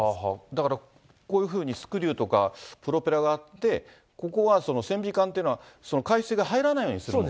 だからこういうふうにスクリューとか、プロペラがあって、ここは、船尾管というのは、海水が入らないようにするもの？